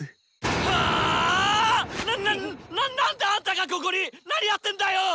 ハァッ⁉ななん何であんたがここに⁉何やってんだよ！